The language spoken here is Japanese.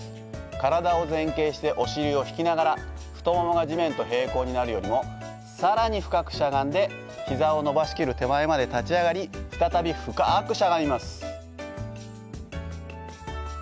体を前傾してお尻を引きながら太ももが地面と平行になるよりも更に深くしゃがんで膝を伸ばし切る手前まで立ち上がり再び深くしゃがみます。